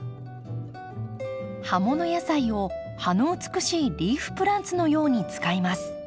葉もの野菜を葉の美しいリーフプランツのように使います。